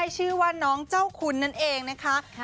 ชื่อว่าน้องเจ้าคุณนั่นเองนะคะ